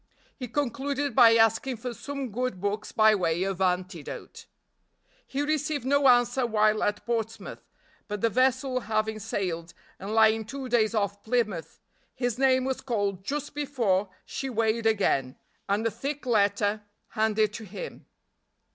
He concluded by asking for some good books by way of antidote. He received no answer while at Portsmouth, but the vessel having sailed and lying two days off Plymouth, his name was called just before she weighed again and a thick letter handed to him.